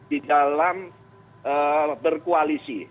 di dalam berkoalisi